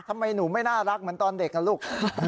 ทำไมหนูไม่น่ารักเหมือนตอนเด็กอ่ะลูก